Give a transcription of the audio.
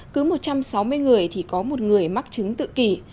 cứ một trăm sáu mươi người thì có một người mắc chứng tự kỷ